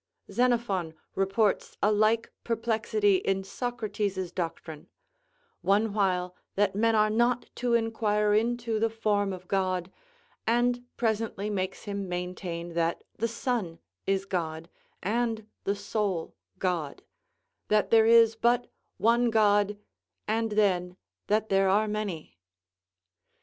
Xenophon reports a like perplexity in Socrates's doctrine; one while that men are not to inquire into the form of God, and presently makes him maintain that the sun is God, and the soul God; that there is but one God, and then that there are many.